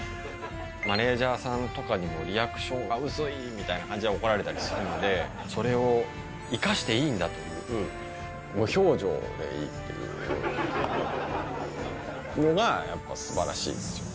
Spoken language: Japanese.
マネージャーさんとかにも、リアクションが薄いみたいな感じで、怒られたりするんで、それを生かしていいんだという、無表情でいいっていうのが、やっぱすばらしいですよね。